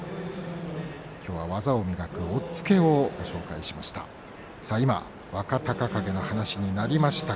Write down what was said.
きょうは、「技を磨く」押っつけをご紹介しました。